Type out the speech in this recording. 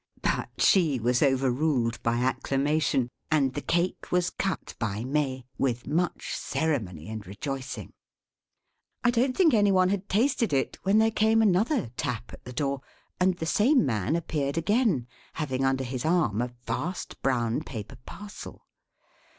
But she was overruled by acclamation; and the cake was cut by May, with much ceremony and rejoicing. I don't think any one had tasted it, when there came another tap at the door; and the same man appeared again, having under his arm a vast brown paper parcel.